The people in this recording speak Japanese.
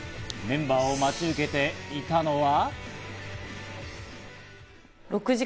メンバーを待ち受けていたのは。